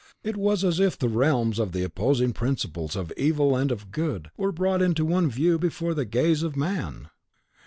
It was as if the realms of the opposing principles of Evil and of Good were brought in one view before the gaze of man!